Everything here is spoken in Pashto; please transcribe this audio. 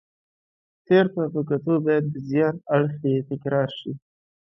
تېر ته په کتو باید د زیان اړخ یې تکرار شي.